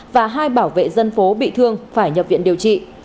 và hai bảo vệ dân phố bị thương phải nhập viện điều trị